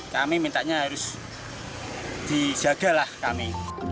kami mintanya harus dijagalah kami